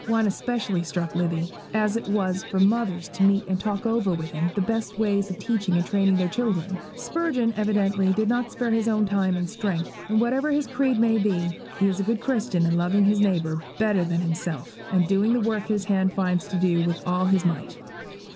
One especially struck Livy, as it was for mothers to meet and talk over with him the best ways of teaching and training their children. Spurgeon evidently does not spare his own time and strength; and whatever his creed may be, he is a good Christian in loving his neighbour better than himself, and doing the work his hand finds to do with all his might.